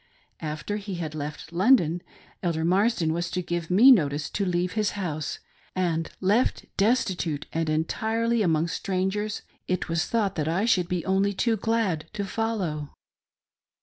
After he had left London, Elder Marsden was to give me notice to leave his house ; and left destitute, and entirely among strangers, it was thought that I should be only too glad to follow.